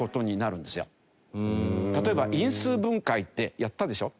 例えば因数分解ってやったでしょ？